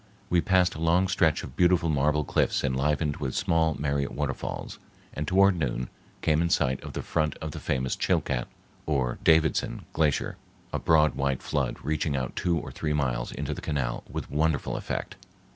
We passed a long stretch of beautiful marble cliffs enlivened with small merry waterfalls, and toward noon came in sight of the front of the famous Chilcat or Davidson Glacier, a broad white flood reaching out two or three miles into the canal with wonderful effect.